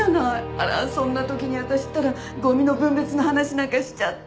あらそんな時に私ったらゴミの分別の話なんかしちゃって。